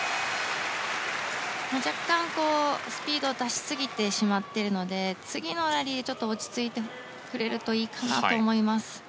若干、スピードを出しすぎてしまっているので次のラリーはちょっと落ち着いてくれるといいかなと思います。